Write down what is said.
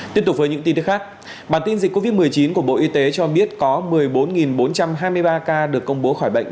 tiếp tục với những tin tức khác bản tin dịch covid một mươi chín của bộ y tế cho biết có một mươi bốn bốn trăm hai mươi ba ca được công bố khỏi bệnh